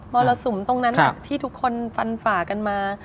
รสุมตรงนั้นที่ทุกคนฟันฝ่ากันมา